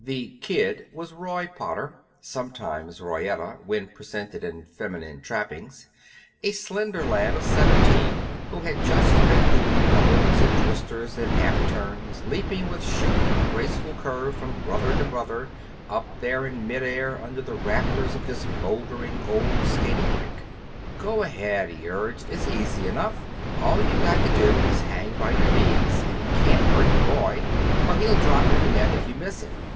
The "kid" was Roy Potter (sometimes Royetta, when presented in feminine trappings), a slender lad of seventeen, who had just been doing doubles and twisters and half turns, leaping with shoot and graceful curve from brother to brother up there in mid air under the rafters of this moldering old skating rink. "Go ahead," he urged; "it's easy enough. All you've got to do is hang by your knees, and it can't hurt the boy, for he'll drop in the net if you miss him.